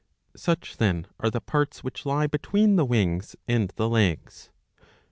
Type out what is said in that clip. Such, then, are the parts which lie between the wings and the legs.